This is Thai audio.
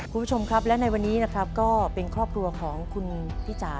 คุณผู้ชมครับและในวันนี้นะครับก็เป็นครอบครัวของคุณพี่จ๋า